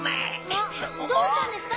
あっどうしたんですか？